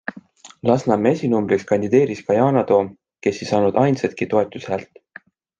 Lasnamäe esinumbriks kandideeris ka Yana Toom, kes ei saanud ainsatki toetushäält.